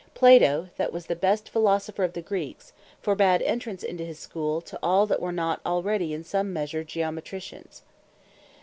Plato that was the best Philosopher of the Greeks, forbad entrance into his Schoole, to all that were not already in some measure Geometricians.